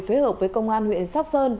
phế hợp với công an huyện sóc sơn